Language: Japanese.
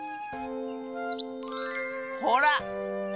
ほら！